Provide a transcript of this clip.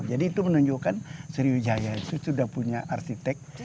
jadi itu menunjukkan sriwijaya itu sudah punya arsitek